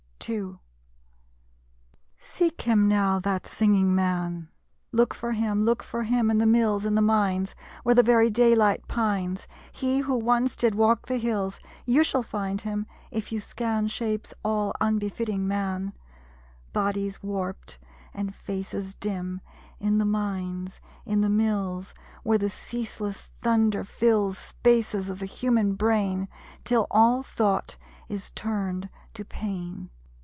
_ II Seek him now, that singing Man. Look for him, Look for him In the mills, In the mines; Where the very daylight pines, He, who once did walk the hills! You shall find him, if you scan Shapes all unbefitting Man, Bodies warped, and faces dim. In the mines; in the mills Where the ceaseless thunder fills Spaces of the human brain Till all thought is turned to pain.